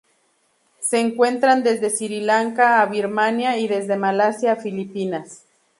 Se encuentran desde Sri Lanka a Birmania y desde Malasia a Filipinas.